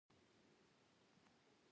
ښه خواړه بدن ته، خو مینه زړه ته ځواک ورکوي.